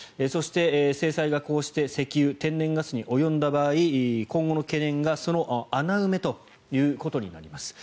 そして、制裁がこうして石油、天然ガスに及んだ場合今後の懸念が、その穴埋めということになります。